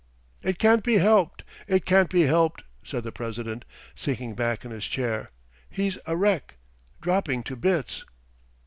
..." "It can't be helped, it can't be helped," said the president, sinking back in his chair. "He's a wreck ... dropping to bits!"